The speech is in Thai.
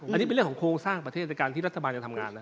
อันนี้เป็นเรื่องของโครงสร้างประเทศในการที่รัฐบาลจะทำงานนะ